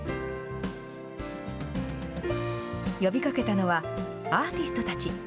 呼びかけたのは、アーティストたち。